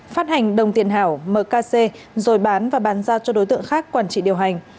phát hành đồng tiền hảo mkc rồi bán và bán giao cho đối tượng khác quản trị điều hành